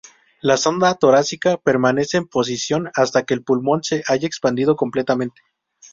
La sonda torácica permanece en posición hasta que el pulmón se haya expandido completamente.